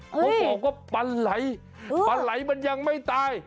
พวกผมก็ปันไหลปันไหลมันยังไม่ตาย